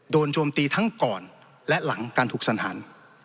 โจมตีทั้งก่อนและหลังการถูกสันหาร